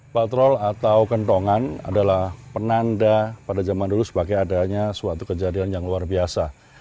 patrol atau kentongan adalah penanda pada zaman dulu sebagai adanya suatu kejadian yang luar biasa